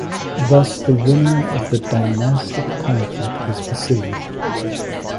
Thus, the winner of the dynastic conflict was Vasili.